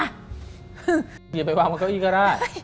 เกียรติไปวางกับเก้าอี้ก็ได้